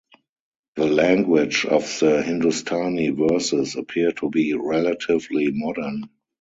The language of the Hindustani verses appear to be relatively modern.